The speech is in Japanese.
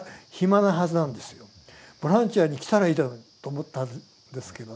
ボランティアに来たらいいだろうと思ったんですけどね。